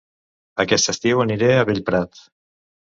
Aquest estiu aniré a Bellprat